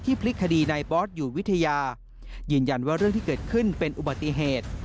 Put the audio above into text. พลิกคดีในบอสอยู่วิทยายืนยันว่าเรื่องที่เกิดขึ้นเป็นอุบัติเหตุ